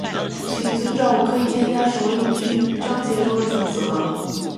请遵照“我可以添加什么语句？”章节中的准则